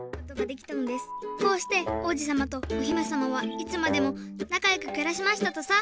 こうしておうじさまとおひめさまはいつまでもなかよくくらしましたとさ。